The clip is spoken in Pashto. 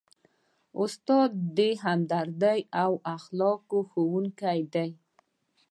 استاد د همدردۍ او اخلاقو ښوونکی دی.